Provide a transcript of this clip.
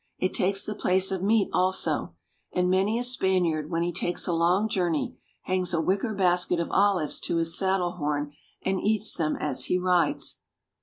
It takes the place of meat also, and many a Spaniard, when he takes a long journey, hangs a wicker basket of olives to his saddle horn, and eats them as he rides.